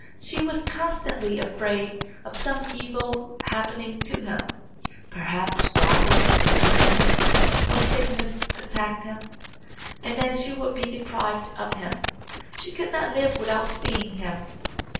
She was constantly afraid of some evil happening to him perhaps robbers would slay him, or sickness attack him, and then she would be deprived of him. She could not live without seeing him.